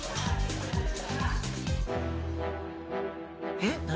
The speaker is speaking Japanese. えっ何？